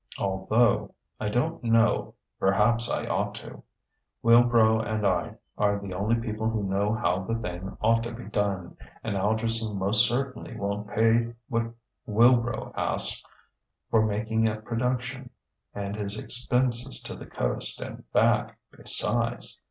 Although ... I don't know ... perhaps I ought to. Wilbrow and I are the only people who know how the thing ought to be done, and Algerson most certainly won't pay what Wilbrow asks for making a production and his expenses to the Coast and back, besides....